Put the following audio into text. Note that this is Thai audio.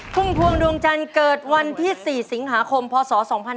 พุ่มพวงดวงจันทร์เกิดวันที่๔สิงหาคมพศ๒๕๕๙